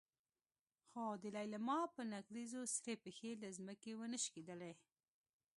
خو د لېلما په نکريزو سرې پښې له ځمکې ونه شکېدلې.